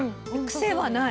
癖はない。